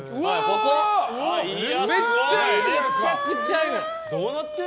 めっちゃくちゃ良い！